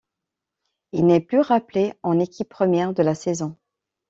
Il n'est plus rappelé en équipe première de la saison.